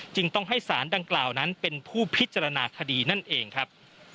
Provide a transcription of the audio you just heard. จึงต้องให้สารดังกล่าวนั้นเป็นผู้พิจารณาคดีนั่นเองครับ